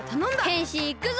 へんしんいくぞ！